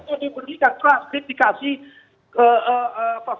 sudah diberikan dikasih